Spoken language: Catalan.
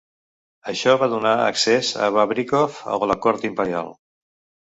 Això va donar accés a Bobrikov a la cort imperial.